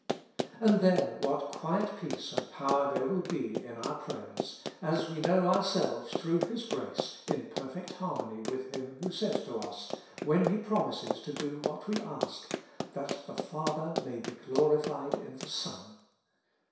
And then what quiet peace and power there will be 162 With Christ in the School of Prayer. in our prayers, as we know ourselves, through His grace, in perfect harmony with Him who says to us, when He promises to do what we ask: ''That the Father may be glorified in the Son."